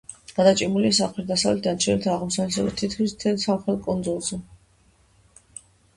გადაჭიმულია სამხრეთ-დასავლეთიდან ჩრდილო-აღმოსავლეთისაკენ თითქმის მთელ სამხრეთ კუნძულზე.